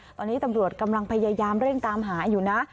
ตอนนี้ตำรวจกำลังพยายามเร่งตามหาอยู่นะ